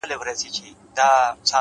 پوهه د انسان لید پراخوي’